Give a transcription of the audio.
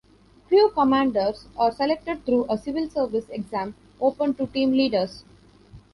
Crew commanders are selected through a civil service exam open to team leaders.